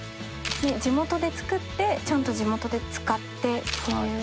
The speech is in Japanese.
地元で作ってちゃんと地元で使って。